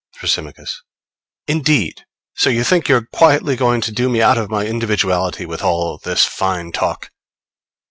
Thrasymachos. Indeed! So you think you're quietly going to do me out of my individuality with all this fine talk.